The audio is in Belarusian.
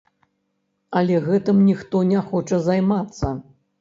Але гэтым ніхто не хоча займацца.